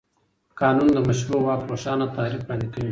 قانون د مشروع واک روښانه تعریف وړاندې کوي.